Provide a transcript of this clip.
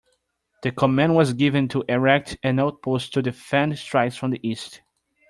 The command was given to erect an outpost to defend strikes from the east.